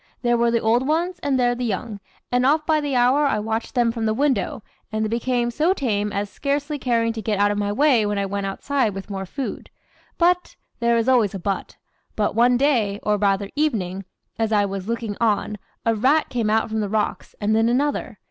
There were the old ones and there the young, and oft by the hour I watched them from the window; and they became so tame as scarcely caring to get out of my way when I went outside with more food. But there is always a but but one day, or rather evening, as I was "looking on," a rat came out from the rocks, and then another.